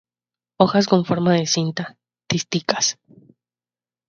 Hojas con forma de cinta, dísticas.